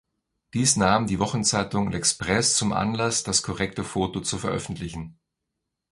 Dies nahm die Wochenzeitung L’Express zum Anlass, das korrekte Foto zu veröffentlichen.